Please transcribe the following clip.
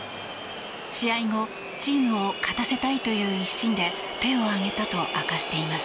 試合後チームを勝たせたいという一心で手を挙げたと明かしています。